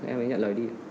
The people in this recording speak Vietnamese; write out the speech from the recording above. em ấy nhận lời đi